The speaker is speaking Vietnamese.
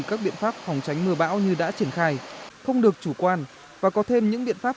các biện pháp phòng tránh mưa bão như đã triển khai không được chủ quan và có thêm những biện pháp